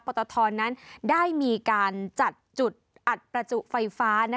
ตทนั้นได้มีการจัดจุดอัดประจุไฟฟ้า